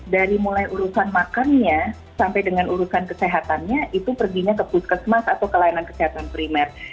dari mulai urusan makannya sampai dengan urusan kesehatannya itu perginya ke puskesmas atau ke layanan kesehatan primer